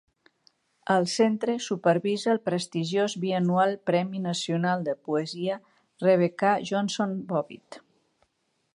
El centre supervisa el prestigiós bianual Premi nacional de poesia Rebekah Johnson Bobbitt.